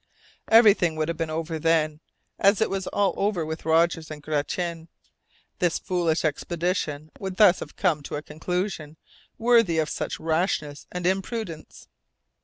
Everything would have been over then, as all was over with Rogers and Gratian! This foolish expedition would thus have come to a conclusion worthy of such rashness and imprudence!